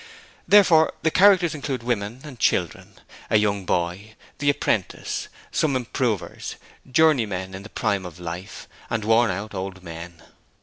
Therefore the characters include women and children, a young boy the apprentice some improvers, journeymen in the prime of life, and worn out old men.